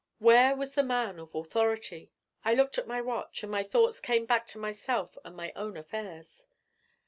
Where was the man of authority? I looked at my watch, and my thoughts came back to myself and my own affairs.